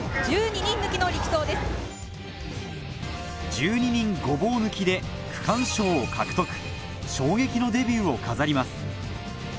１２人ごぼう抜きで区間賞を獲得衝撃のデビューを飾ります